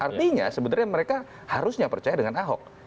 artinya sebenarnya mereka harusnya percaya dengan ahok